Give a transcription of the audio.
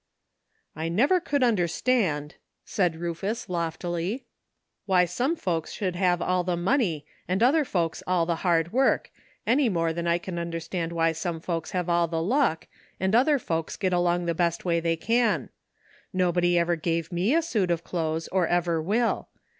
'' I never could understand," said Rufus loftily, '' why some folks should have all the money and other folks all the hard work, any more than I can understand why some folks have all the luck, and other folks get along the best way they can. Nobody ever gave me a suit of clothes or ever will.